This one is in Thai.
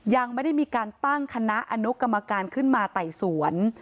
ยังไม่ได้มีการตั้งคณะอนุกรรมการขึ้นมาไต่สวน